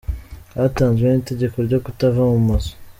Hatanzwe n'itegeko ryo kutava mu mazu.